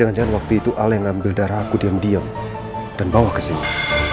al pernah kesini